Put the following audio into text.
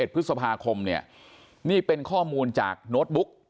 ๑พฤษภาคมเนี่ยนี่เป็นข้อมูลจากโน้ตบุ๊ก